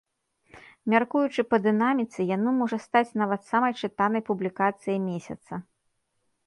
Мяркуючы па дынаміцы, яно можа стаць нават самай чытанай публікацыяй месяца.